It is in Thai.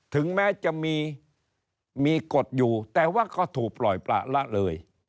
ถึงแม้จะมีกฎอยู่แต่ว่าก็ถูกปล่อยประละเลย